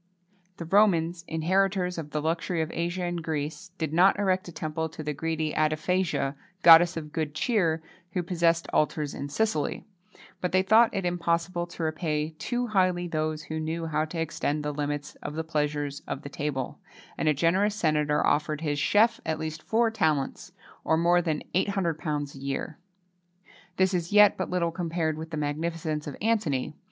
The Romans, inheritors of the luxury of Asia and Greece, did not erect a temple to the greedy Addephagia, goddess of good cheer, who possessed altars in Sicily;[XXII 22] but they thought it impossible to repay too highly those who knew how to extend the limits of the pleasures of the table,[XXII 23] and a generous senator offered his chef at least four talents, or more than £800 a year. This is yet but little compared with the magnificence of Antony.